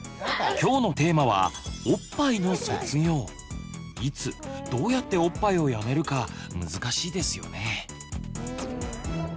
今日のテーマはいつどうやっておっぱいをやめるか難しいですよね。